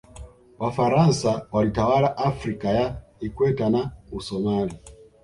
wafaransa walitawala afrika ya ikweta na usomali